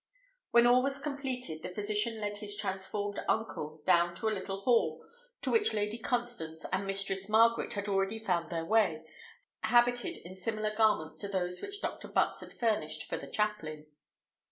When all was completed, the physician led his transformed uncle down to a little hall, to which Lady Constance and Mistress Margaret had already found their way, habited in similar garments to those which Dr. Butts had furnished for the chaplain.